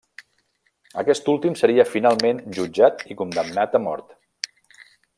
Aquest últim seria finalment jutjat i condemnat a mort.